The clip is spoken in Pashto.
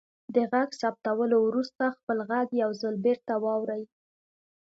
د غږ ثبتولو وروسته خپل غږ یو ځل بیرته واورئ.